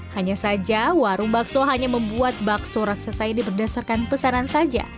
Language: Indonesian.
hanya saja warung bakso hanya membuat bakso raksasa ini berdasarkan pesanan saja